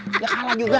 pak randy kagunya keluar